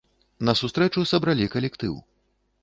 На сустрэчу сабралі калектыў.